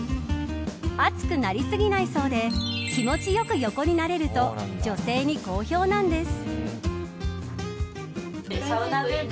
熱くなりすぎないそうで気持ちよく横になれると女性に好評なんです。